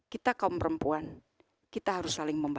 kita kaum perempuan kita harus saling membantu